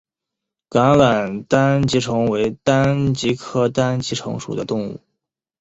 橄榄单极虫为单极科单极虫属的动物。